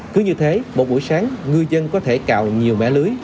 cứ như thế một buổi sáng ngư dân có thể cào nhiều mẻ lưới